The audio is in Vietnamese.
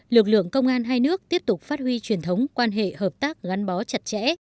lực lượng công an hai nước tiếp tục phát huy truyền thống quan hệ hợp tác gắn bó chặt chẽ